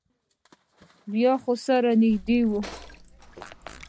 بیا خو سره نږدې یو.